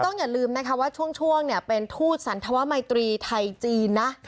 พอต้องอย่าลืมว่าช่วงเป็นทูตสันธวัติมาน้ำไทยจีนนะ